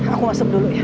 dan risik melirenggang